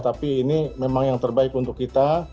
tapi ini memang yang terbaik untuk kita